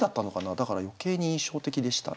だから余計に印象的でしたね。